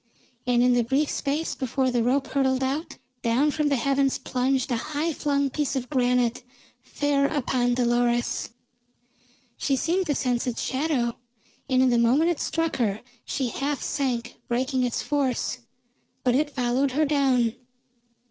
And in the brief space before the rope hurtled out, down from the heavens plunged a high flung piece of granite fair upon Dolores. She seemed to sense its shadow, and in the moment it struck her she half sank, breaking its force. But it followed her down.